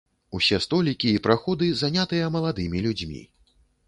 Усе столікі і праходы занятыя маладымі людзьмі.